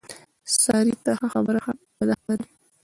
سارې ته ښه خبره هم بده ښکاري.